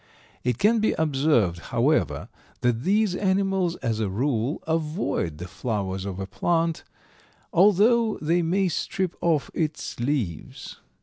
It can be observed, however, that these animals as a rule avoid the flowers of a plant, although they may strip off its leaves.